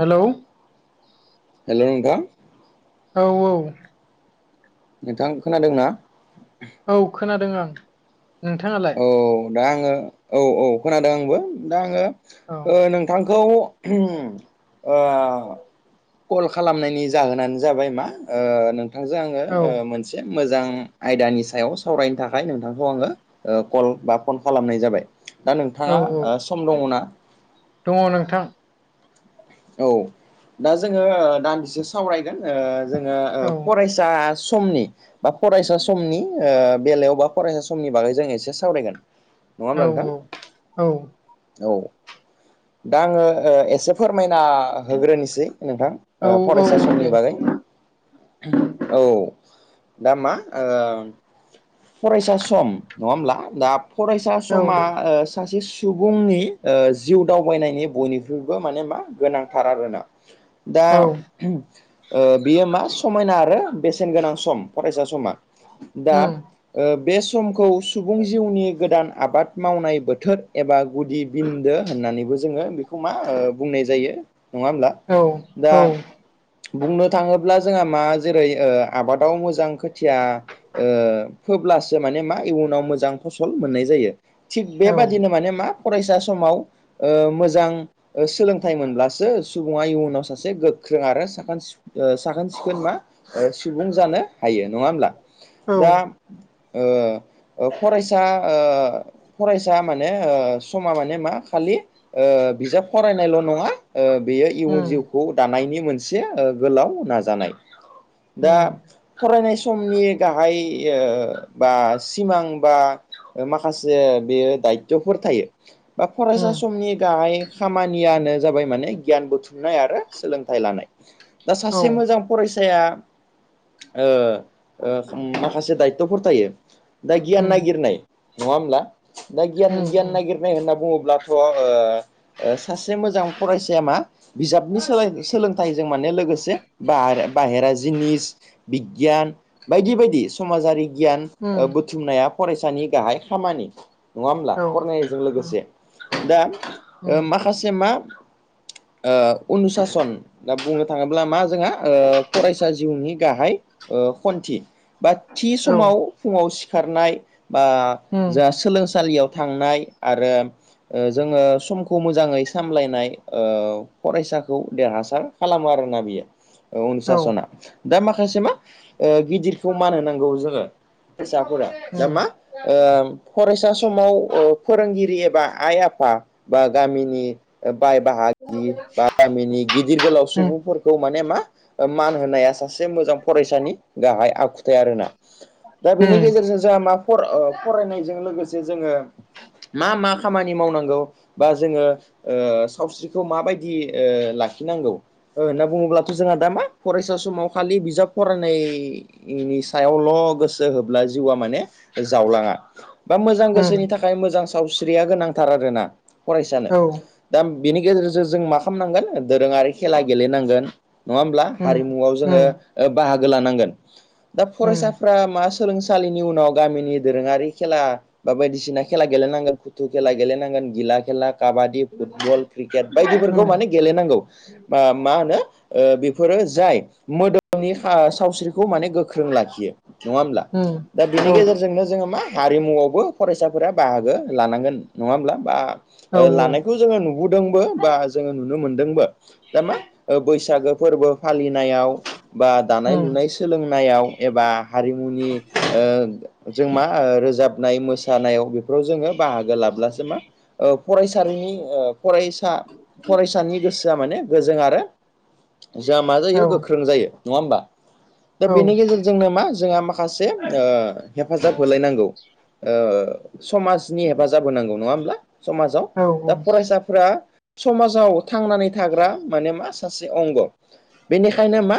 Hello hello नोंथां औ औ नोंथां खोनादोंना? औ खोनादों आं नोंथाङालाय? औ दा आङो औ औ खोनादों आंबो दा आङो औ ओ नोंथांखौ [unintelligible] ओ कल खालामनायनि जाहोनानो जाबाय मा ओ नोंथांजों आङो औ ओ मोनस से मोजां आयदानि सायाव सावरायनो थाखाय नोंथांखौ आङो ओ कल बा फन खालामनाय जाबाय दा औ नोंथाङा औ सम दङना? दङ नोंथां औ दा जोङो ओ दानदिसे सावरायगोन ओ जोङो ओ औ फरायसा समनि बा फरायसा समनि ओ बेलायाव बा फरायसा समनि बागै जों एसे सावरायगोन नङा औ होमब्ला औ नोंथां औ दा आङो ओ एसे फो फोरमायना होग्रोनोसै नोंथां औ ओ औ फरायसा दे समनि बागै औ दा मा ओ फरायसा सम नङा होमब्ला दा फरायसा औ समा ओ सासे सुबुंनि ओ जिउ दावबायनायनि बयनिख्रुइबो माने मा गोनांथार आरोना दा औ [unintelligible] ओ बियो मा समायना आरो बेसेन गोनां सम फरायसा समा दा उम ओ बे समखौ सुबुं जिउनि गोदान आबाद मावनाय बोथोर एबा गुदि बिन्दो होननानैबो जोङो बिखौ मा ओ बुंनाय जा जायो नङा होमब्ला औ दा औ बुंनो थाङोब्ला जोंहा मा जेरै ओ आबादाव मोजां खोथिया ओ फोब्लासो माने मा इउनाव मोजां फसल मोननाय जायो। थिग औ बेबादिनो माने मा फरायसा समाव ओ मोजां सोलों थाइ मोनब्लासो सु सुबुङा इयुनाव सासे गोख्रों आरो साखोन सिउख ओ साखोन सिखोन मा सुबुं जानो हायो नङा होमब्ला औ दा ओ ओ फरायसा ओ फरायसा माने ओ समा माने मा खालि बिजाब फरायनायल' नङा ओ बेयो इयुन उम जिउखौ दानायनि मोनसे गोलाव नाजानाय दा उम फरायनाय समनि गाहाय ओ बा सिमां बा ओ माखासे बेयो दायतफोर थायो बा फरायसा उम समनि गाहाय खामानियानो जाबाय माने गियान बुथुमनाय आरो सोलोंथाइ लानाय। दा औ सासे मोजां फरायसाया ओ ओ माखासे दायथ'फोर थायो। दा गियान उम नागिरनाय नङा होमब्ला? दा गियान उम गियान उम नागिरनाय होनना बुङोब्लाथ' आङो सासे मोजां फरायसाया मा बिजाबनि सोलाय सोलों थाइजों माने लोगोसे बा बाहेरा जिनिस बिगियान बायदि बायदि समाजारि गियान उम बुथुमनाया फरायसानि गाहाय खामानि। नङा होमब्ला औ फरायनायजों उम लोगोसे। दा उम माखासे मा उनुसासन। दा बुंनो थाङोब्ला मा जोंहा फरायसा जिउनि गाहाय ओ खन्थि। बा थि औ समाव फुङाव सिखारनाय बा उम जाों सोलोंसालियाव थांनाय आरो जोङो समखौ मोजाङै सामलायनाय फरायसाखौ देरहासार खालामो आरोना बियो औ अनुसासना। दा माखासे मा गिदिरखौ मान नांगौ जोङो। फिसाफोरा। दा उम मा ओ फरायसा समाव ओ फोरोंगिरि एबा आइ आफा बा गामिनि बाय बाहागि बा गामिनि गिदिर गोलाव उम सुबुंफोर खौ माने मा मान होनाया सासे मोजां फरायसानि गाहाय आखुथाय आरोना। दा बेनि गेजेरजों जोंहा मा फर ओ रायनायजों लोगोसे जोङो मा मा खामानि मावनांगौ बा जोङो ओ सावस्रिखौ माबायदि ओ लाखिनांगौ? होनना बुङोब्लाथ' जोंहा दा मा फरायसा समाव खालि बिजाब फरायनाय नि सायावल' गोसो होब्ला जिउआ माने जावलाङा। बा मोजां उम औ उम गोसोनि थाखाय मोजां सावस्रिया गोनांथार आरोना फरायसानो। बिनि गेजेरजों जों मा खालामनांगोन दोरोङारि खेला गेलेनांगोन। नङा होमब्ला उम हारिमुआव उम जोङो बाहागो लानांगोन दा फरायसाफोरा मा सोलोंसालिनि उनाव गामिनि दोरोङारि खेला बा बायदिसिना खेला गेलेनांगोन, फुथु खेला गेलेनांगोन, गिला खेला काबादि फुटबल क्रिकेट बायदिफोरखौ उम माने गेलेनांगौ। मा होनो बेफोरो जाय मोदोमनि खा सावस्रिखौ माने गो ख्रों लाखियो नङा होमब्ला। उम दा औ बिनि गेजेरजोंनो जोङो मा हारिमुआवबो फरायसाफोरा बाहागो लानांगोन नङा होमब्ला बा औ औ लानायखौ जोङो नु बुदोंबो बा जोङो नुनो मोनदोंबो। दा मा बैसागो फोरबो फालिनायाव बा दानाय उम लुनाय सोलोंनायाव एबा हारिमुनि जों मा रोजाबनाय मोसानायाव बेफोराव जोङो बाहागो लाब्लासो मा फरायसालिनि फरायसा फरायसानि गोसोआ माने गोजों आरो जोंहा मा औ जायो गोख्रों जायो नङा होमबा? दा औ बेनि गेजेर जोंनो मा जोंहा माखासे हेफाजाब होलायनांगौ। समाजनि हेफाजाब होनांगौ नङा होमब्ला। समाजाव। औ दा उम फरायसाफोरा समाजाव थांनानै थाग्रा माने मा सासे अंग। बेनिखायनो मा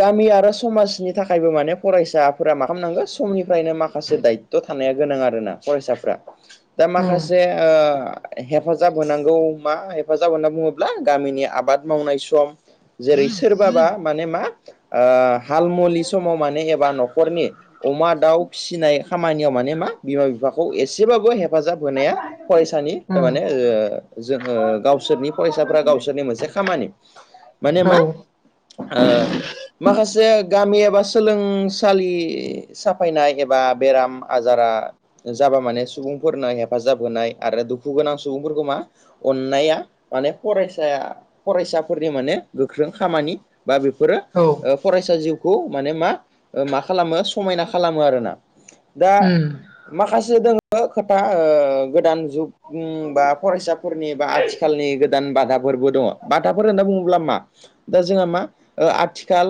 गामि आरो समाजनि थाखायबो माने फरायसाफोरा मा खालामनांगो समनिफ्रायनो माखासे दायथ' थानाया गोनां आरोना फरायसाफ्रा। दा माखासे उम हेफाजाब होनांगौ मा माबा जागोन होन्ना बुङोब्ला गामिनि आबाद मावनाय सम जेरै सोरबाबा माने मा ओ हाल मुलि समाव माने एबा न'खरनि अमा दाउ फिसिनाय खामानियाव माने मा बिमा बिफाखौ एसेबाबो हेफाजाब होनाया फरायसानि माने ओ गावसोरनि फरायसाफोरा गावसोरनि मोनसे खामानि। माने औ मा ओ माखासे गामि एबा सोलोंसालि साफायनाय एबा बेराम आजारा जाबा माने सुबुंफोरनो हेफाजाब होनाय आरो दुखु गोनां सुबुंफोरखौ मा अननाया माने फरायसाया फरायसाफोरनि माने गोख्रों खामानि बा बेफोरो औ ओ फरायसा जिउखौ माने मा ओ मा खालामो समायना खालामो आरोना दा उम माखासे दोङो खोथा ओ गोदान जुगनि बा फरायसाफोरनि बा आथिखालनि गो दान बाथाफोरबो दङ बाथाफोर होनना बुङोब्ला मा? दा जोंहा मा ओ आथिखाल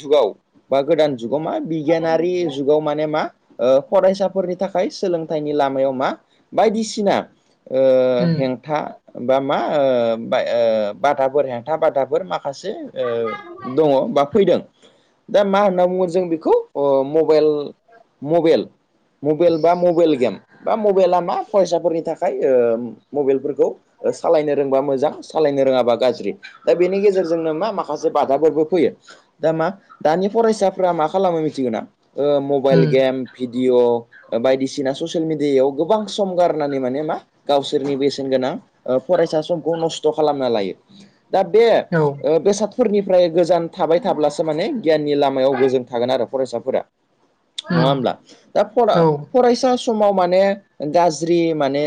जुगाव बा गोदान जुगाव मा बिगियानारि जुगाव माने मा ओ फरायसाफोरनि थाखाय सोलोंथाइनि लामायाव मा बायदिसिना ओ उम हेंथा बा मा ओ बाय ओ बाधाफोर हेंथा बाधाफोर माख खासे ओ दङ बा फैदों दा मा होनना बुंगोन जों बेखौ अ मबेइल मबेल मबेइेल बा मबेइल गेम बा मबेइला मा फरायसाफोरनि थाखाय ओ मबेइलफोरखौ ओ सालायनो रोंबा मोजां सालायनो रोङाबा गाज्रि दा बेनि गेजेरजोंनो मा माखासे बाधाफोरबो फैयो। दा मा दानि फरायसाफ्रा मा खालामो मिथिगो ना ओ मबाइल उम गेम भिडिअ ओ बायदिसिना ससियेल मिडियायाव गोबां सम गारनानै माने मा गावसोरनि बेसेन गोनां ओ फरायसा समखौ नस्थ' खालामना लायो। दा बे औ ओ बेसाद फोरफोरनिफ्राय गोजान थाबाय थाब्लासो माने गियाननि लामायाव गोजों थागोन आरो फरायसाफोरा। नङा उम होमब्ला दा फरा औ उम फरायसा समाव माने गाज्रि माने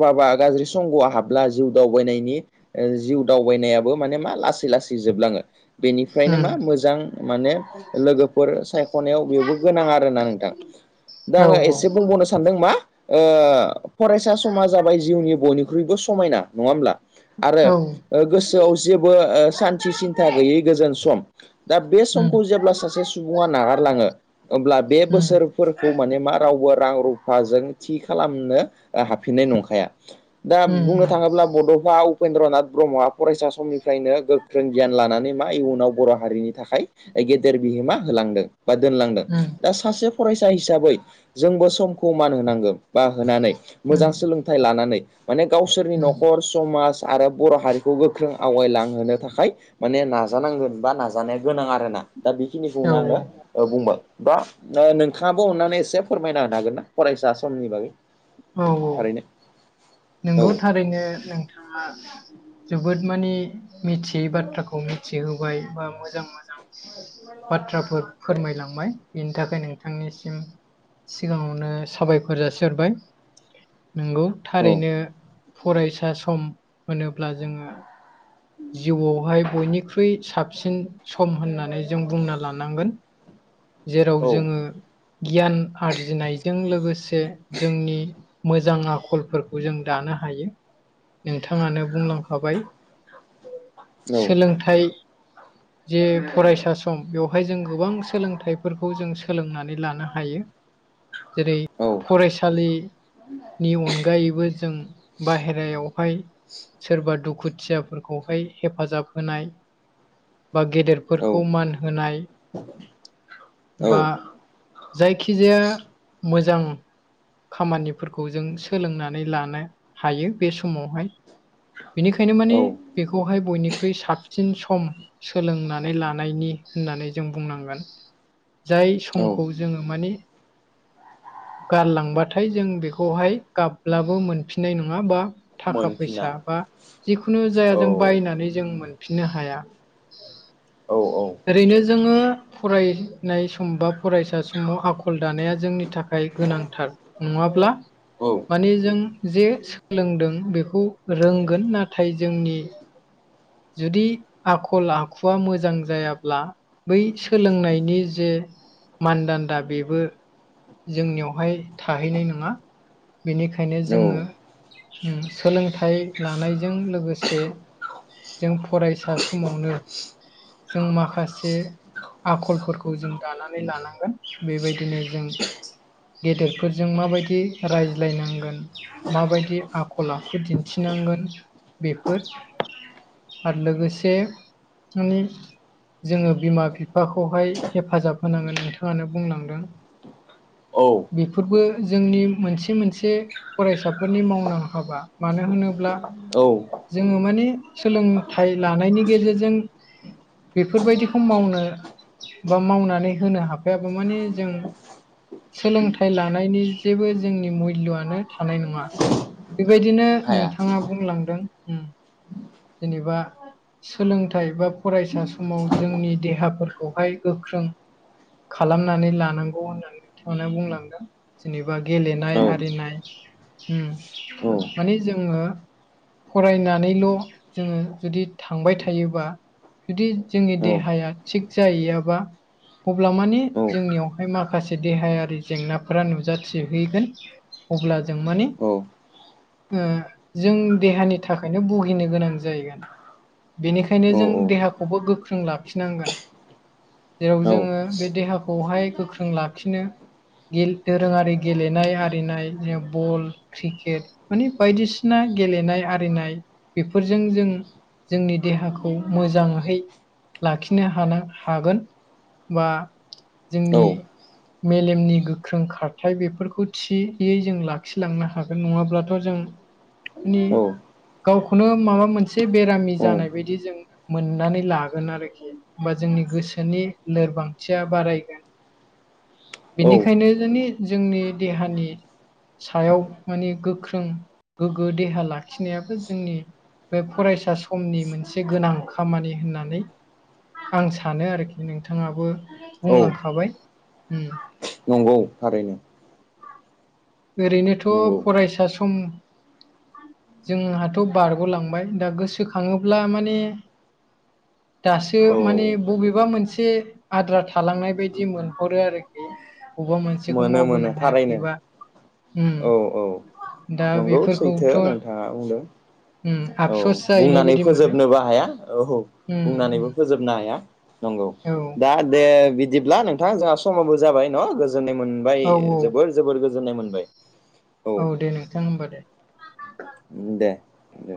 बवाबा गाज्रि संग'आ हाबला जिउ दावबायनायनि ओ जिउ दावबायनायाबो माने मा लासै लासै जोबलाङो बेनिफ्रायनो मा मोजां माने लोगोफोर सायख'नायाव बेयावबो गोनां आरोना नोंथां। दा औ आङो एसे बुंबावनो सान्दों मा ओ फरायसा समा जाबाय जिउनि बयनिख्रुइबो समायना नङा होमब्ला? आरो औ उम ओ गोसोआव जेबो ओ सान्थि सिन्था गैयै गोजोन सम। दा बे समखौ उम जेब्ला सासे सुबुङा नागारलाङो अब्ला बे उम उम बोसोर फोरखौ माने मा रावबो रां रुफाजों थि खालामनो ओ हाबफिननाय नंखाया दा बुंनो उम थाङोब्ला बड'फा उपेन्द्रनाथ ब्रह्मआ फरायसा समनिफ्रायनो गोग ख्रों गियान लानानै मा इयुनाव बर' हारिनि थाखाय ओ गेदेर बिहोमा होलांदों। बा दोनलांदों औ दा सासे फरायसा हिसाबै जोंबो समखौ मान होनांगो। बा होनानै मोजां सोलोंथाइ लानानै माने गावसोरनि न'खर समाज आरो बर' हारिखौ गोख्रों आवगायलांहोनो थाखाय माने नाजानांगोन बा नाजानाया गोनां आरोना दा बिखिनिखौनो औ आङो ओ बुंबाय दा ओ नोंथाङाबो अननानै एसे फोरमायना होनो हागोन ना फरायसा समनि बागै? औ औ थारैनो औ नोंगौ थारैनो नोंथाङा जोबोद माने मिथियै बाथ्राखौ मिथिहोबाय बा मोजां मोजां बाथ्राफोर फोरमायलांबाय बिनि थाखाय नोंथांनिसिम सिगाङावनो साबायख'र जासि हरबाय। नोंगौ औ थारैनो फरायसा सम होनोब्ला जोङो जिउआवहाय बयनिख्रुइ साबसिन सम होननानै जों बुंना लानांगोन। जेराव औ जोङो गियान आरजिनायजों लोगोसे जोंनि मोजां आखलफोरखौ जों दानो हायो। नोंथाङानो बुंलांखाबाय। औ सोलोंथाइ जे फरायसा सम बेवहाय जों गोबां सोलों थाइफोरखौ जों सोलोंनानै लानो हायो। जेरै फरायसालिनि अनगायैबो जों बाहेरायाव हाय सोरबा दुखुथियाफोरखौहाय हेफाजाब होनाय। बा औ गेदेरफोरखौ मान होनाय। [inaudible] बा जायखिजाया मोजां खामानिफोरखौ जों सोलोंनानै लानो हायो बे समावहाय। बेनिखायनो माने औ बेखौहाय बयनिख्रुइ सत साबसिन सम सोलोंनानै लानायनि होननानै जों बुंनांगोन। जाय औ समखौ जोङो माने गारलांबाथाय जों बेखौहाय गाबब्लाबो मोनफिननाय नङा बा थाखा मोनफिना फैसा बा जिखुनु जाय औ जों बायनानै जों मोन फिननो हाया। औ औ। ओरैनो जोङो फरायनाय सम बा फरायसा समाव आखल दानाया जोंनि थाखाय गोनांथार। नङाब्ला औ माने जों जे सोलोंदों बेखौ रोंगोन नाथाय जोंनि जुदि आखल आखुवा मोजां जायाब्ला बै सोलोंनायनि जे मानदान्दा बेबो जोंनियावहाय थाहैनाय नङा। बेनिखायनो जोङो औ सोलोंथाइ लानायजों लोगोसे जों फरायसा समावनो जों माखासे आखलफोरखौ जों दानानै लानांगोन बेबायदिनो जों गेदेरफोरजों माबायदि रायज्लायनांगोन? माबायदि आखल आखु दिन्थिनांगोन बेफोर आरो लोगोसे माने जोङो बिमा बिफा बिफाखौहाय हेफाजाब होनांगोन नोंथाङानो बुंलांदों। औ। बेफोरबो जोंनि मोनसे मोनसे फरायसाफोरनि मावनां हाबा मानो होनोब्ला? औ जोङो माने सोलोंथाइ लानायनि गेजेरजों बेफोरबायदिखौ मावनो बा मावनानै होनो हाफायाबा माने जों सोलोंथाइ लानायनि जेबो जोंनि मुल्यआनो थानाय नङा‌। बेबायदिनो हाया नोंथाङा बुंलांदों। जेनेबा सोलोंथाइ बा फरायसा समाव जोंनि देहाफोरखौहाय गोख्रों खालामनानै लानांगौ होननानै नोंथमोना बुंलांदों। जेनेबा गेलेनाय औ आरिनाय औ माने जोङो फरायनानैल' जोङो जुदि थांबाय थायोबा। जुदि जोंनि औ देहाया थिग जाहैयाबा। अब्ला माने जोंनियावहाय माखासे देहायारि जेंनाफोरा नुजाथि हैैगोन। अब्ला जों माने जों देहानि थाखायनो भुगिनो गोनां जाहैगोन। बेनिखायनो औ जों देहाखौबो गोख्रों लाखिनांगोन। जेराव औ औ जोङो बे देहाखौहाय गोख्रों लाखिनो गेल दोरोङारि गेलेनाय आरिनाय जे बल क्रिकेट माने बायदिसिना गेलेनाय आरिनाय बेफोर जों जों जोंनि देहाखौ मोजाङै लाखिनो ह हागोन बा जोंनि मेलेमनि गोख्रों खारथाय बेफोरखौ थि यै जों लाखिलांनो हागोन नङाब्लाथ' जों मानि गावखौनो माबा मोनसे बेरामि जानाय बायदि जों मोननानै लागोन आरोखि होमबा जोंनि गोसोनि लोरबांथिया बारायगोन। [inaudible] बिनिखायनो जोंनि जोंनि देहानि सायाव माने गोख्रों गोग्गो देहा लाखिनायाबो जोंनि बे फरायसा समनि मोनसे गोनां खामानि होननानै आं सानो आरोखि नोंथाङाबो बुंलांखाबाय उम। नंगौ थारैनो। ओरैनोथ' नंगौ फरायसा सम जोंहाथ' बारग'लांबाय दा गोसोखाङोब्ला माने दासो औ माने बबेबा मोनसे आद्रा थालांनाय बायदि मोनहरो आरोखि बबेबा मोनसेखौ मोनो मोनो मावबोनो थारैनो हायाखैबा उम औ औ दा नंगौ सैथो बेफोरखौथ' नोंथाङा बुंदों। उम औ आफस'स जाहैनाय बुंनानै बायदि मोनो फोजोबनोबो हाया औ औ उम उम बुंनानैबो फोजोबनो हाया नंगौ औ दा दे बिदिब्ला नोंथा जोहा स समाबो जाबाय न गोजोननाय मोनबाय औ जोबोर जोबोर गोजोननाय मोनबाय। औ दे नोंथां होमबा दे। दे। दे